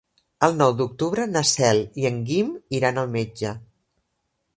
El nou d'octubre na Cel i en Guim iran al metge.